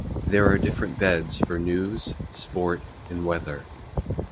There are different beds for news, sport and weather.